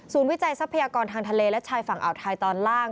วิจัยทรัพยากรทางทะเลและชายฝั่งอ่าวไทยตอนล่าง